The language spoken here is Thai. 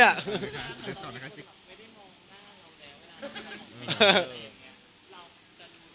ถ้าตอนนี้คุณไม่ได้มองหน้าเราแล้ว